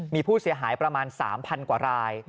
มีผู้เสียหายประมาณ๓๐๐กว่าราย